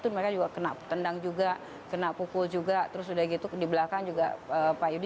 temennya juga kena tendang juga kena pickpocketing juga nih terus sudah gitu di belakang juga pak yudi